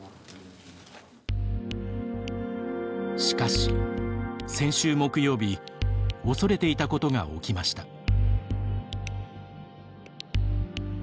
しかし先週、木曜日恐れていたことが起きました。